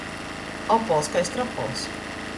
Opols kai stropols.